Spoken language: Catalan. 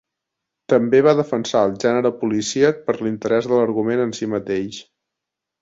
També va defensar el gènere policíac per l'interès de l'argument en si mateix.